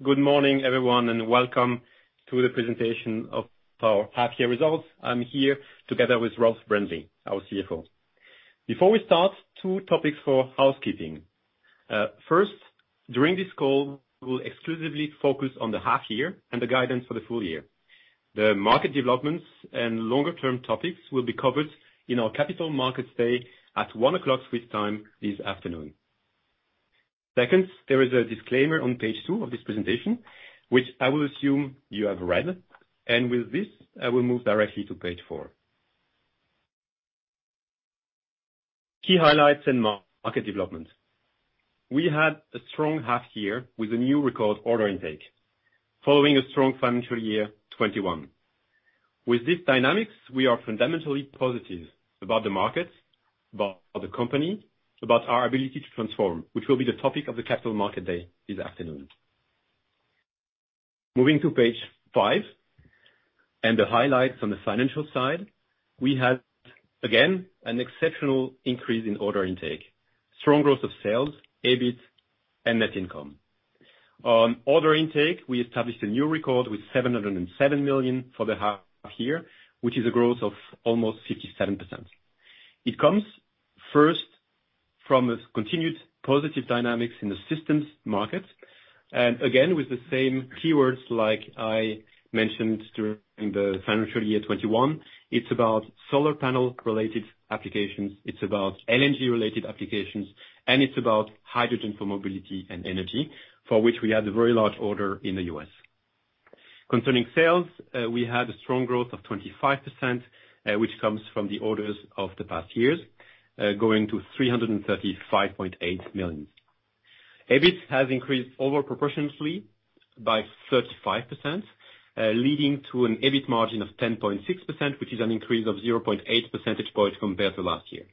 Good morning, everyone, and welcome to the presentation of our half year results. I'm here together with Rolf Brändli, our CFO. Before we start, two topics for housekeeping. First, during this call, we'll exclusively focus on the half year and the guidance for the full-year. The market developments and longer term topics will be covered in our capital markets day at 1:00 P.M. Swiss time this afternoon. Second, there is a disclaimer on page two of this presentation, which I will assume you have read. With this, I will move directly to page four. Key highlights and market development. We had a strong half year with a new record order intake, following a strong financial year 2021. With these dynamics, we are fundamentally positive about the market, about the company, about our ability to transform, which will be the topic of the capital market day this afternoon. Moving to page five and the highlights on the financial side, we had, again, an exceptional increase in order intake, strong growth of sales, EBIT and net income. On order intake, we established a new record with 707 million for the half year, which is a growth of almost 57%. It comes first from a continued positive dynamics in the systems market. Again, with the same keywords like I mentioned during the financial year 2021, it's about solar panel related applications, it's about LNG related applications, and it's about hydrogen for mobility and energy, for which we had a very large order in the US. Concerning sales, we had a strong growth of 25%, which comes from the orders of the past years, going to 335.8 million. EBIT has increased over proportionately by 35%, leading to an EBIT margin of 10.6%, which is an increase of 0.8 percentage points compared to last year.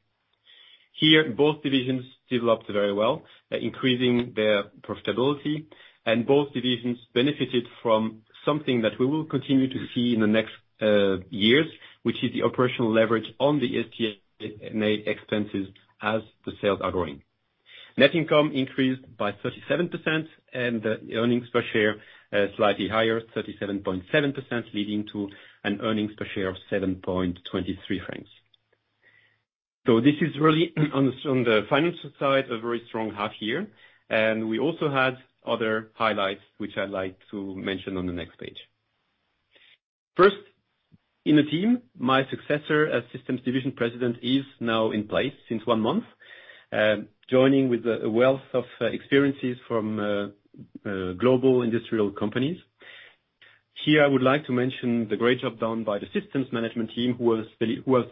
Here, both divisions developed very well, increasing their profitability, and both divisions benefited from something that we will continue to see in the next years, which is the operational leverage on the SG&A expenses as the sales are growing. Net income increased by 37% and the earnings per share, slightly higher, 37.7%, leading to an earnings per share of 7.23 francs. This is really on the financial side, a very strong half year. We also had other highlights, which I'd like to mention on the next page. First, in the team, my successor as Systems Division president is now in place since one month, joining with a wealth of experiences from global industrial companies. Here, I would like to mention the great job done by the Systems management team who has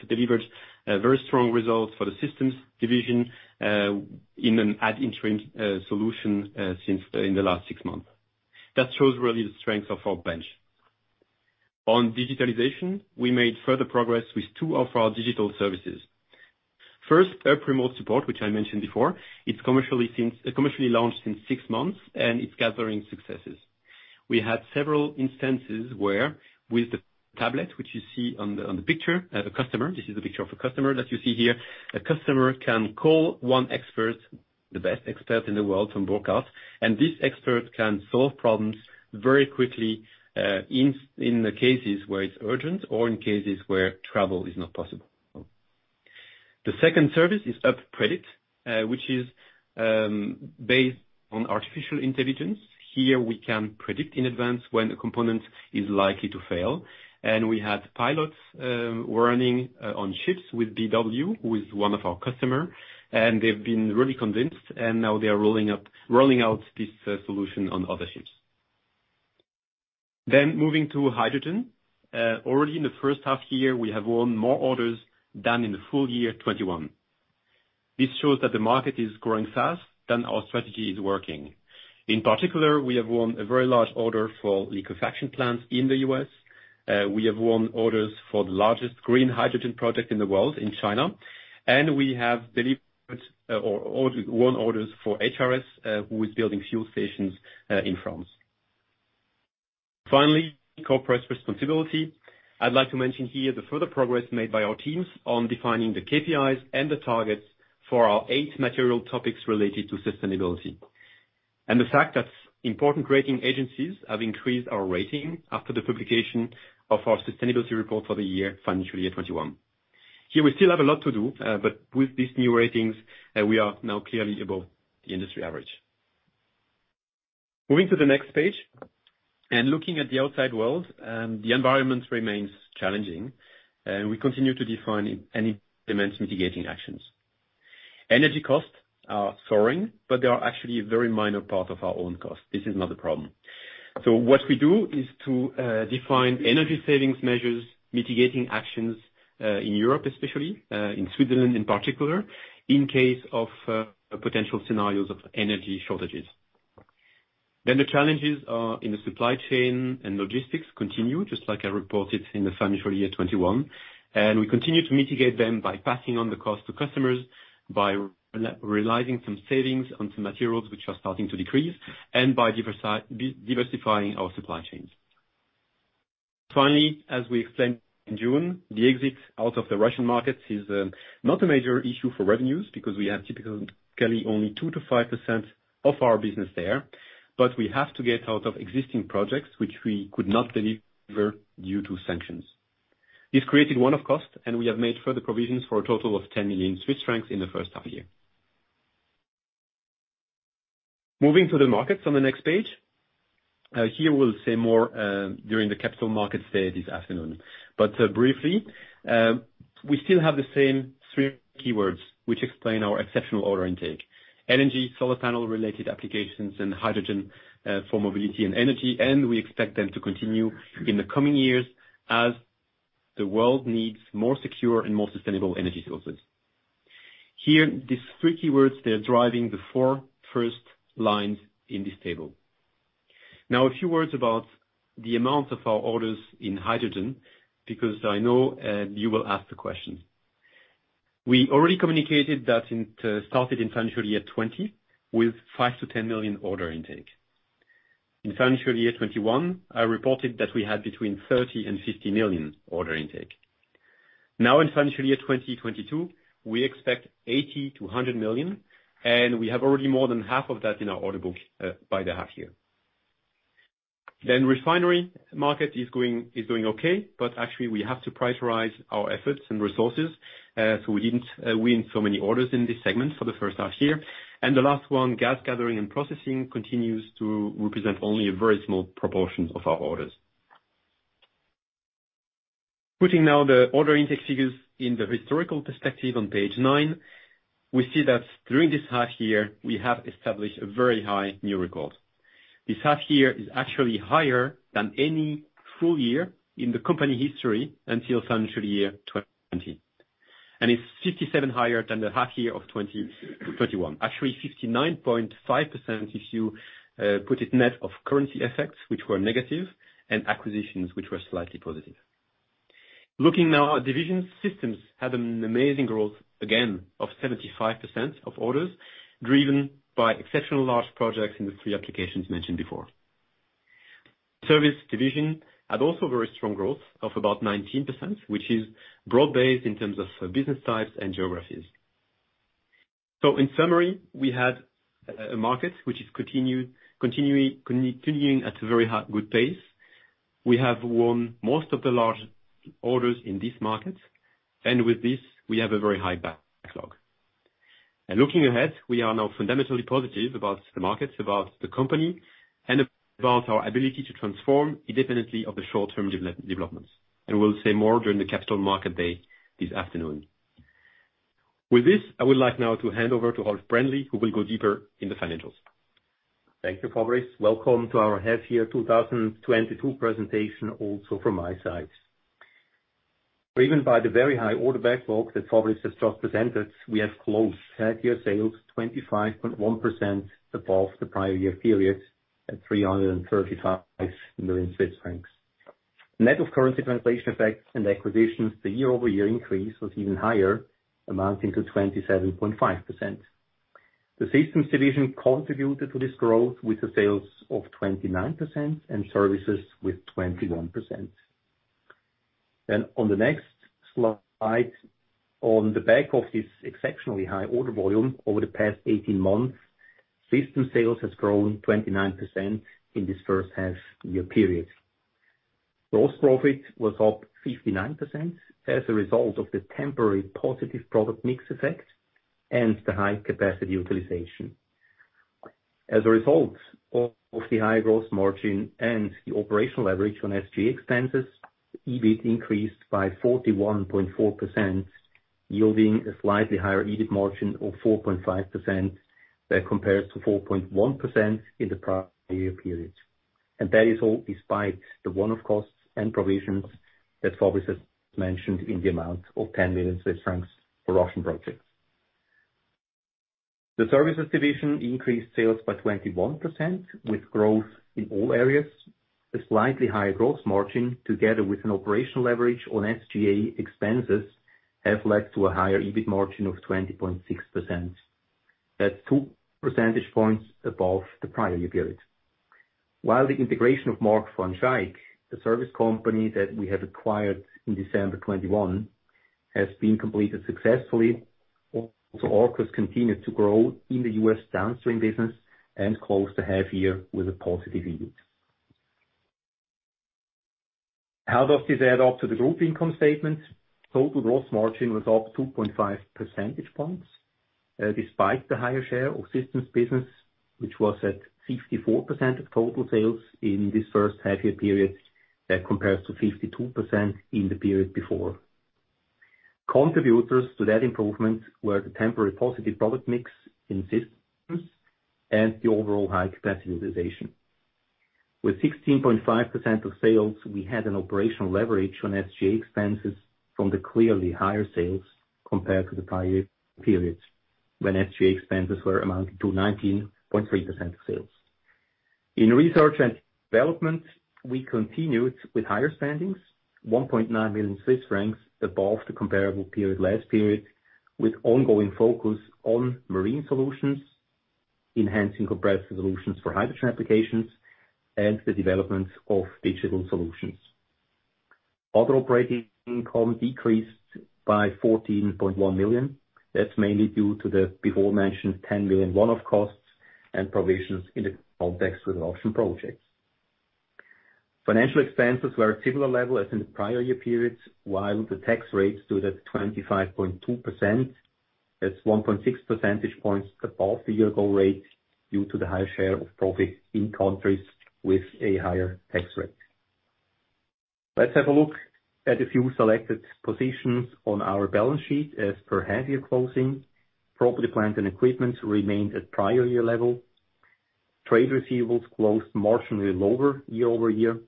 delivered a very strong result for the Systems Division, in an ad interim solution, since in the last six months. That shows really the strength of our bench. On digitalization, we made further progress with two of our digital services. First, UP! Remote Support, which I mentioned before. It's commercially launched since 6 months, and it's gathering successes. We had several instances where with the tablet, which you see on the picture, the customer. This is a picture of a customer that you see here. A customer can call one expert, the best expert in the world from Burckhardt, and this expert can solve problems very quickly, in the cases where it's urgent or in cases where travel is not possible. The second service is UP! Predict, which is based on artificial intelligence. Here we can predict in advance when a component is likely to fail. We had pilots running on ships with BW, who is one of our customer, and they've been really convinced, and now they are rolling out this solution on other ships. Moving to hydrogen. Already in the first half year, we have won more orders than in full-year 2021. This shows that the market is growing fast, then our strategy is working. In particular, we have won a very large order for liquefaction plants in the U.S. We have won orders for the largest green hydrogen project in the world in China, and we have delivered or won orders for HRS, who is building fuel stations in France. Finally, corporate responsibility. I'd like to mention here the further progress made by our teams on defining the KPIs and the targets for our eight material topics related to sustainability. The fact that important rating agencies have increased our rating after the publication of our sustainability report for the financial year 2021. Here we still have a lot to do, but with these new ratings, we are now clearly above the industry average. Moving to the next page and looking at the outside world, the environment remains challenging, and we continue to define and implement mitigating actions. Energy costs are soaring, but they are actually a very minor part of our own cost. This is not a problem. What we do is to define energy savings measures, mitigating actions, in Europe especially, in Switzerland in particular, in case of potential scenarios of energy shortages. Challenges in the supply chain and logistics continue, just like I reported in the financial year 2021. We continue to mitigate them by passing on the cost to customers, by re-realizing some savings on some materials which are starting to decrease, and by diversifying our supply chains. Finally, as we explained in June, the exit out of the Russian markets is not a major issue for revenues because we have typically only 2%-5% of our business there. But we have to get out of existing projects which we could not deliver due to sanctions. This created one-off costs, and we have made further provisions for a total of 10 million Swiss francs in the first half year. Moving to the markets on the next page. Here we'll say more during the capital markets day this afternoon. Briefly, we still have the same three keywords which explain our exceptional order intake. Energy, solar panel related applications, and hydrogen, for mobility and energy. We expect them to continue in the coming years as the world needs more secure and more sustainable energy sources. Here, these three keywords, they are driving the four first lines in this table. Now, a few words about the amount of our orders in hydrogen, because I know, you will ask the question. We already communicated that it started in financial year 2020 with 5 million-10 million order intake. In financial year 2021, I reported that we had between 30 million and 50 million order intake. Now in financial year 2022, we expect 80 million-100 million, and we have already more than half of that in our order book, by the half year. The refinery market is doing okay, but actually we have to prioritize our efforts and resources, so we didn't win so many orders in this segment for the first half year. The last one, gas gathering and processing, continues to represent only a very small proportion of our orders. Putting now the order intake figures in the historical perspective on page nine, we see that during this half year we have established a very high new record. This half year is actually higher than any full-year in the company history until financial year 2020. It's 57% higher than the half year of 2021. Actually 59.5% if you put it net of currency effects, which were negative, and acquisitions, which were slightly positive. Looking now at Systems Division, had an amazing growth again of 75% of orders, driven by exceptional large projects in the three applications mentioned before. Service Division had also very strong growth of about 19%, which is broad-based in terms of business types and geographies. In summary, we had a market which is continuing at a very high, good pace. We have won most of the large orders in this market, and with this we have a very high backlog. Looking ahead, we are now fundamentally positive about the markets, about the company, and about our ability to transform independently of the short-term developments. We'll say more during the Capital Market Day this afternoon. With this, I would like now to hand over to Rolf Brändli, who will go deeper in the financials. Thank you, Fabrice. Welcome to our half-year 2022 presentation also from my side. Driven by the very high order backlog that Fabrice has just presented, we have closed half-year sales 25.1% above the prior-year period at 335 million Swiss francs. Net of currency translation effects and acquisitions, the year-over-year increase was even higher, amounting to 27.5%. The Systems Division contributed to this growth with the sales of 29% and Services with 21%. On the next slide, on the back of this exceptionally high order volume over the past 18 months, Systems sales has grown 29% in this first half-year period. Gross profit was up 59% as a result of the temporary positive product mix effect and the high capacity utilization. As a result of the high gross margin and the operational leverage on SG&A expenses, EBIT increased by 41.4%, yielding a slightly higher EBIT margin of 4.5%, that compares to 4.1% in the prior-year period. That is all despite the one-off costs and provisions that Fabrice has mentioned in the amount of 10 million Swiss francs for Russian projects. The services division increased sales by 21% with growth in all areas. A slightly higher gross margin together with an operational leverage on SG&A expenses have led to a higher EBIT margin of 20.6%. That's two percentage points above the prior-year period. While the integration of Mark van Schaick, the service company that we have acquired in December 2021, has been completed successfully. Also, Arkos continued to grow in the U.S. downstream business and closed the half year with a positive EBIT. How does this add up to the group income statement? Total gross margin was up 2.5 percentage points, despite the higher share of systems business, which was at 54% of total sales in this first half year period, that compares to 52% in the period before. Contributors to that improvement were the temporary positive product mix in systems and the overall high capacity utilization. With 16.5% of sales, we had an operational leverage on SG&A expenses from the clearly higher sales compared to the prior periods, when SG&A expenses were amounting to 19.3% of sales. In research and development, we continued with higher spending, 1.9 million Swiss francs above the comparable period last period, with ongoing focus on marine solutions. Enhancing comprehensive solutions for hydrogen applications and the development of digital solutions. Other operating income decreased by 14.1 million. That's mainly due to the before mentioned 10 million one-off costs and provisions in the context with option projects. Financial expenses were a similar level as in the prior-year periods, while the tax rate stood at 25.2%. That's 1.6 percentage points above the year ago rate due to the high share of profits in countries with a higher tax rate. Let's have a look at a few selected positions on our balance sheet. As per half-year closing, property, plant and equipment remained at prior-year level. Trade receivables closed marginally lower year-over-year.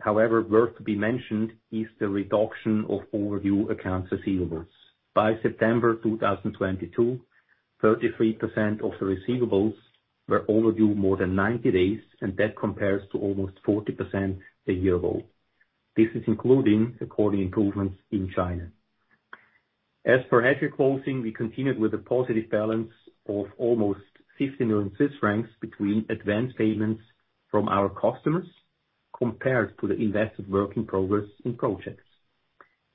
However, worth to be mentioned is the reduction of overdue accounts receivables. By September 2022, 33% of the receivables were overdue more than 90 days, and that compares to almost 40% a year ago. This is including ongoing improvements in China. As per half year closing, we continued with a positive balance of almost 50 million francs between advanced payments from our customers compared to the invested work in progress in projects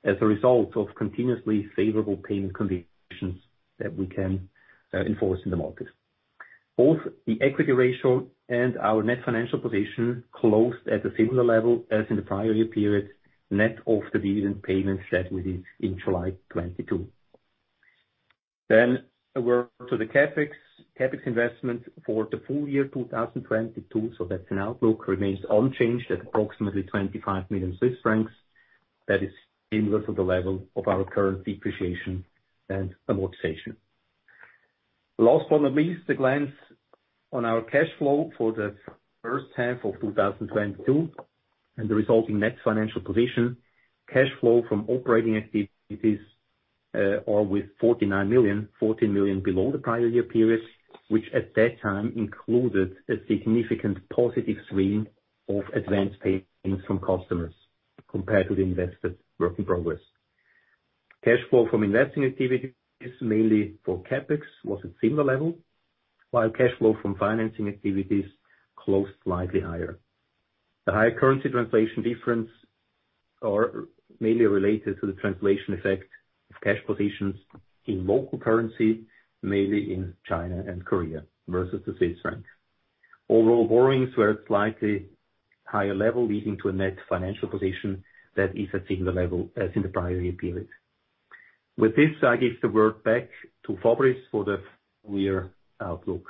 as a result of continuously favorable payment conditions that we can enforce in the market. Both the equity ratio and our net financial position closed at a similar level as in the prior-year period, net of the dividend payments that were due in July 2022. A word to the CapEx. CapEx investment for the full-year 2022, so that's an outlook, remains unchanged at approximately 25 million Swiss francs. That is similar to the level of our current depreciation and amortization. Last but not least, a glance on our cash flow for the first half of 2022 and the resulting net financial position. Cash flow from operating activities are with 49 million, 14 million below the prior-year period, which at that time included a significant positive swing of advanced payments from customers compared to the invested work in progress. Cash flow from investing activities, mainly for CapEx, was at similar level, while cash flow from financing activities closed slightly higher. The higher currency translation difference are mainly related to the translation effect of cash positions in local currency, mainly in China and Korea versus the Swiss franc. Overall borrowings were at slightly higher level, leading to a net financial position that is at similar level as in the prior-year period. With this, I give the word back to Fabrice for the full-year outlook.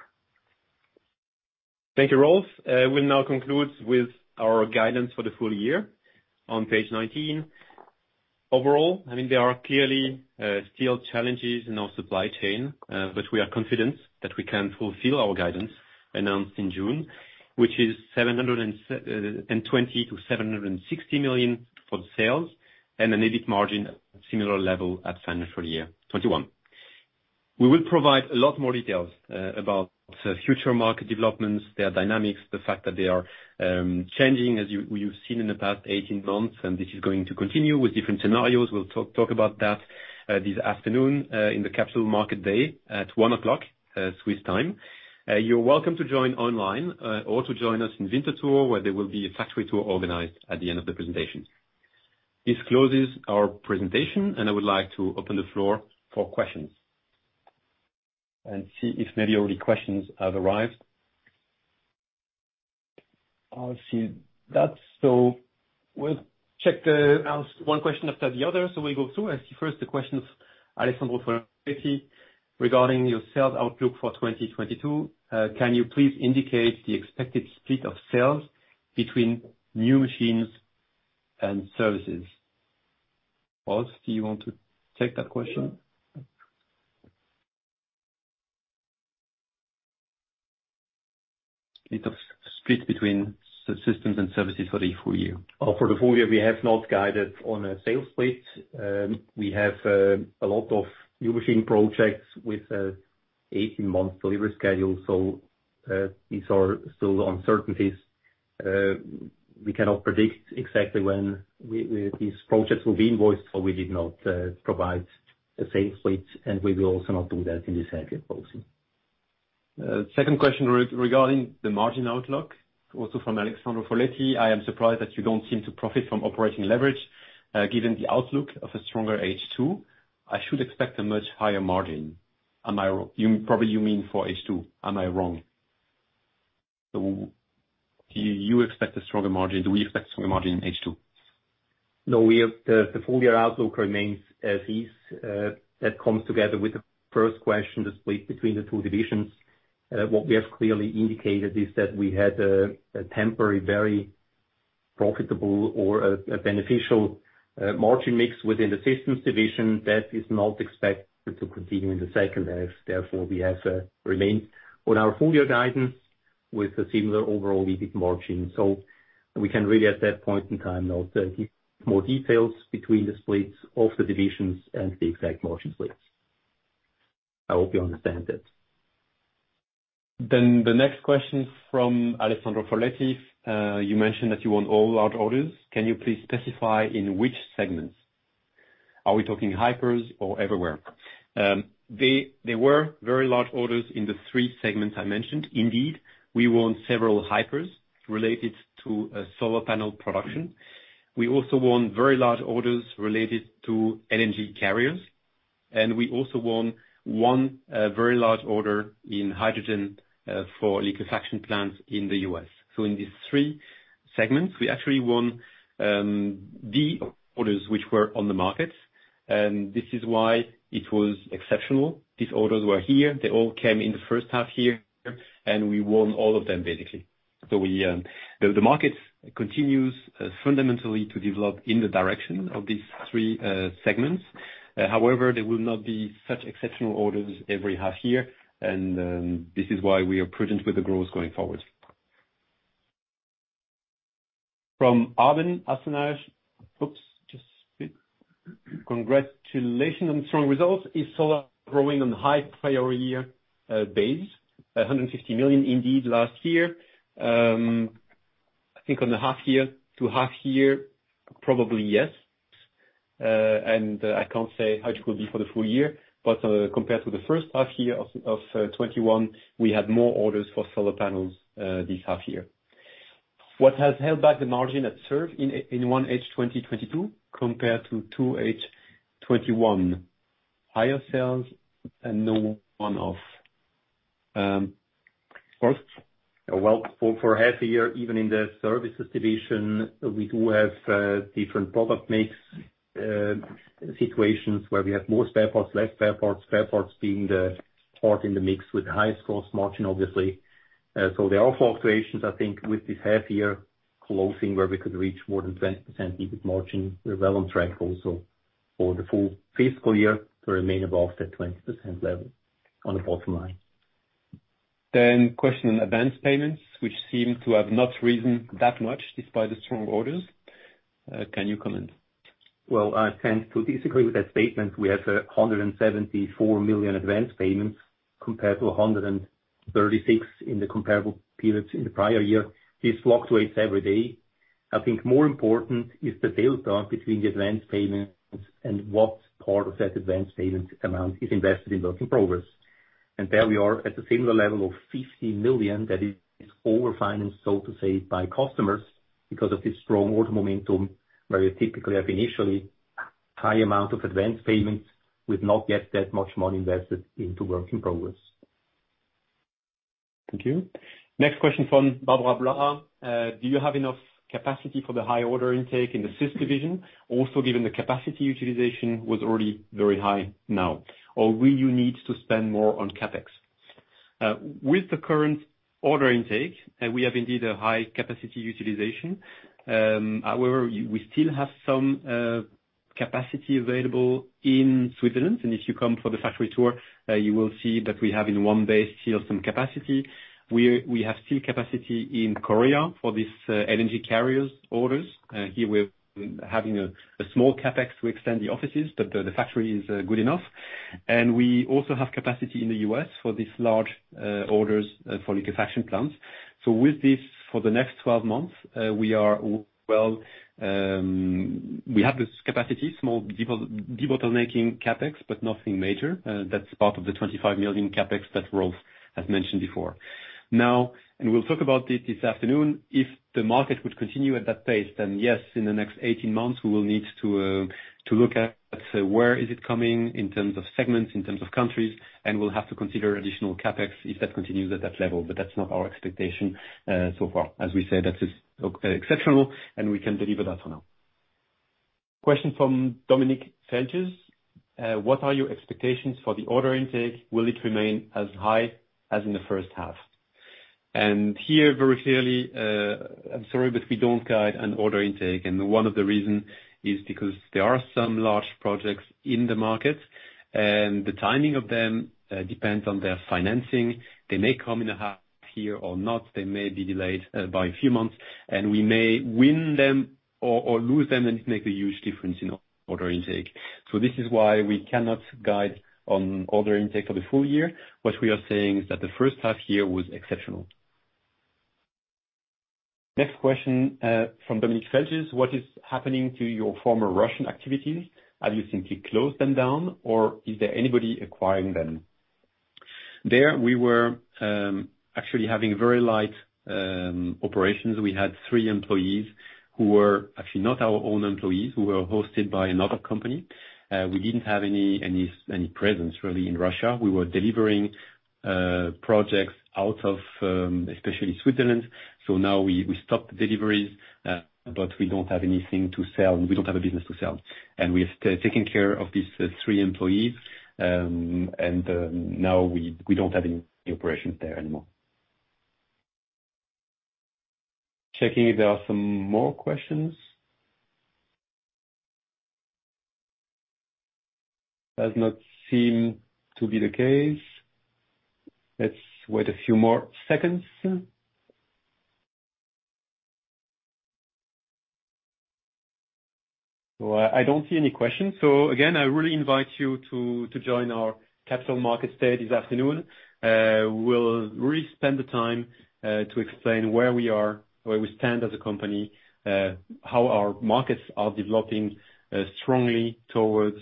Thank you, Rolf. We'll now conclude with our guidance for the full-year on page 19. Overall, I mean there are clearly still challenges in our supply chain, but we are confident that we can fulfill our guidance announced in June, which is 720 million-760 million for the sales and an EBIT margin similar level at financial year 2021. We will provide a lot more details about the future market developments, their dynamics, the fact that they are changing as you've seen in the past 18 months, and this is going to continue with different scenarios. We'll talk about that this afternoon in the Capital Market Day at 1:00 P.M., Swiss time. You're welcome to join online, or to join us in Winterthur, where there will be a factory tour organized at the end of the presentation. This closes our presentation, and I would like to open the floor for questions. See if maybe already questions have arrived. I'll see that. We'll ask one question after the other. We go through. I see first the question of Alessandro Foletti regarding your sales outlook for 2022. Can you please indicate the expected split of sales between new machines and services? Rolf, do you want to take that question? A bit of split between systems and services for the full-year. For the full-year, we have not guided on a sales split. We have a lot of new machine projects with 18-month delivery schedule. These are still uncertainties. We cannot predict exactly when these projects will be invoiced, so we did not provide a sales split, and we will also not do that in this half year closing. Second question regarding the margin outlook, also from Alessandro Foletti. I am surprised that you don't seem to profit from operating leverage, given the outlook of a stronger H2. I should expect a much higher margin. You probably mean for H2. Am I wrong? Do you expect a stronger margin? Do we expect a stronger margin in H2? No, we have the full-year outlook remains as is. That comes together with the first question to split between the two divisions. What we have clearly indicated is that we had a temporary very profitable or a beneficial margin mix within the Systems Division that is not expected to continue in the second half. Therefore, we have remained on our full-year guidance with a similar overall EBIT margin. We can really, at that point in time, not give more details between the splits of the divisions and the exact margin splits. I hope you understand that. The next question from Alessandro Foletti. You mentioned that you won all large orders. Can you please specify in which segments? Are we talking hypercompressors or everywhere? They were very large orders in the three segments I mentioned. Indeed, we won several hypercompressors related to solar panel production. We also won very large orders related to LNG carriers, and we also won one very large order in hydrogen for liquefaction plants in the U.S. In these three segments, we actually won the orders which were on the market, and this is why it was exceptional. These orders were here. They all came in the first half here, and we won all of them, basically. The market continues fundamentally to develop in the direction of these three segments. However, there will not be such exceptional orders every half year and, this is why we are prudent with the growth going forward. From Arben Arsonaj. Oops. Just a bit. Congratulations on strong results. Is solar growing on high prior-year base? 150 million indeed last year. I think on the half year to half year, probably, yes. I can't say how it will be for the full-year, but, compared to the first half year of 2021, we had more orders for solar panels, this half year. What has held back the margin at servicing in 1H 2022 compared to 2H 2021? Higher sales and no one-off. Rolf? Well, for half a year, even in the services division, we do have different product mix situations where we have more spare parts, less spare parts. Spare parts being the part in the mix with the highest gross margin, obviously. There are fluctuations, I think, with this half year closing where we could reach more than 20% EBIT margin. We're well on track also for the full fiscal year to remain above that 20% level on the bottom line. Question on advance payments, which seem to have not risen that much despite the strong orders. Can you comment? Well, I tend to disagree with that statement. We have 174 million advanced payments compared to 136 million in the comparable periods in the prior-year. This fluctuates every day. I think more important is the build-up between the advanced payments and what part of that advanced payment amount is invested in work in progress. There we are at the similar level of 50 million that is over-financed, so to say, by customers because of this strong order momentum, where we typically have initially high amount of advanced payments with not yet that much money invested into work in progress. Thank you. Next question from Barbara Blaha. Do you have enough capacity for the high order intake in the Systems Division? Also, given the capacity utilization was already very high now. Or will you need to spend more on CapEx? With the current order intake, we have indeed a high capacity utilization. However, we still have some capacity available in Switzerland. If you come for the factory tour, you will see that we have in one base still some capacity. We have still capacity in Korea for these LNG carriers orders. Here we're having a small CapEx to extend the offices, but the factory is good enough. We also have capacity in the U.S. for these large orders for liquefaction plants. With this, for the next 12 months, we are well, we have this capacity, small debottlenecking CapEx, but nothing major. That's part of the 25 million CapEx that Rolf has mentioned before. Now, we'll talk about this this afternoon, if the market would continue at that pace, then yes, in the next 18 months, we will need to look at where is it coming in terms of segments, in terms of countries, and we'll have to consider additional CapEx if that continues at that level. That's not our expectation so far. As we said, that is exceptional, and we can deliver that for now. Question from Dominik Felges. What are your expectations for the order intake? Will it remain as high as in the first half? Here, very clearly, I'm sorry, but we don't guide an order intake. One of the reasons is because there are some large projects in the market, and the timing of them depends on their financing. They may come in a half year or not. They may be delayed by a few months. We may win them or lose them, and it makes a huge difference in order intake. This is why we cannot guide on order intake for the full-year. What we are saying is that the first half year was exceptional. Next question from Dominik Felges. What is happening to your former Russian activities? Have you simply closed them down, or is there anybody acquiring them? There we were actually having very light operations. We had three employees who were actually not our own employees, who were hosted by another company. We didn't have any presence, really, in Russia. We were delivering projects out of, especially Switzerland. Now we stopped deliveries, but we don't have anything to sell. We don't have a business to sell. We have taken care of these three employees. Now we don't have any operations there anymore. Checking if there are some more questions. Does not seem to be the case. Let's wait a few more seconds. I don't see any questions. Again, I really invite you to join our capital market day this afternoon. We'll really spend the time to explain where we are, where we stand as a company, how our markets are developing strongly towards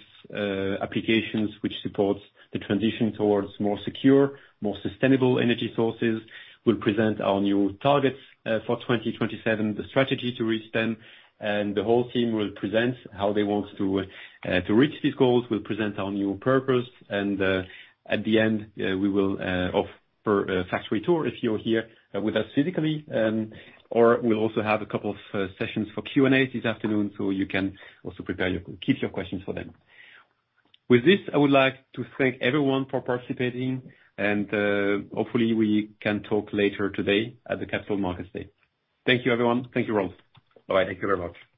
applications which supports the transition towards more secure, more sustainable energy sources. We'll present our new targets for 2027, the strategy to reach them, and the whole team will present how they want to reach these goals. We'll present our new purpose and at the end, we will offer a factory tour if you're here with us physically, or we'll also have a couple of sessions for Q&A this afternoon. You can also keep your questions for then. With this, I would like to thank everyone for participating and hopefully we can talk later today at the Capital Markets Day. Thank you, everyone. Thank you, Rolf. Bye-bye. Thank you very much. Bye.